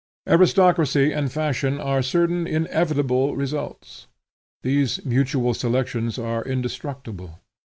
Aristocracy and fashion are certain inevitable results. These mutual selections are indestructible.